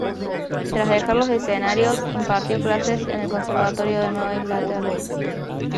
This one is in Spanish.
Tras dejar los escenarios, impartió clases en el Conservatorio de Nueva Inglaterra.